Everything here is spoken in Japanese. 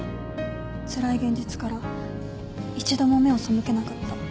つらい現実から一度も目を背けなかった。